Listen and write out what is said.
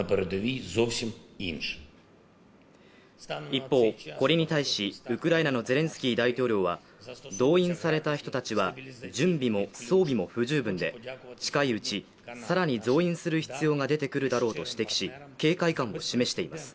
一方これに対しウクライナのゼレンスキー大統領は動員された人たちは準備も装備も不十分で近いうちさらに増員する必要が出てくるだろうと指摘し警戒感を示しています